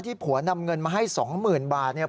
ที่ผัวนำเงินมาให้๒๐๐๐๐๐บาท